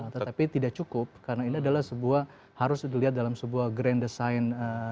tetapi tidak cukup karena ini adalah sebuah harus dilihat dalam sebuah grand design kebijakan yang terpadu dalam menyebutnya